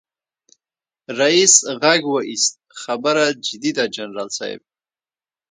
ريس غږ واېست خبره جدي ده جنرال صيب.